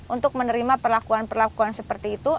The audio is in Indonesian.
untuk menerima perlakuan perlakuan seperti itu